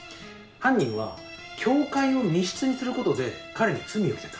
犯人は教会を密室にすることで彼に罪を着せた。